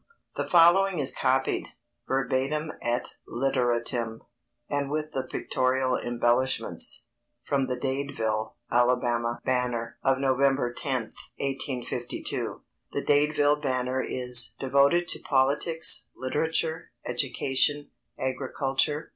The following is copied, verbatim et literatim, and with the pictorial embellishments, from The Dadeville (Ala.) Banner, of November 10th, 1852. The Dadeville Banner is "_devoted to politics, literature, education, agriculture, &c.